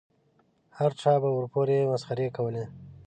هر چا به ورپورې مسخرې کولې.